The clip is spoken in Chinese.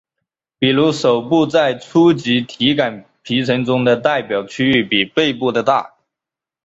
比如手部在初级体感皮层中的代表区域比背部的大。